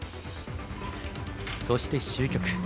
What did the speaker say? そして終局。